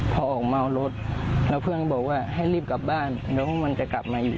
พอออกมาเอารถแล้วเพื่อนก็บอกว่าให้รีบกลับบ้านเดี๋ยวพวกมันจะกลับมาอยู่